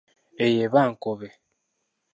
Eyo eba nkobe.